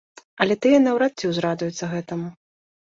Але тыя наўрад ці ўзрадуюцца гэтаму.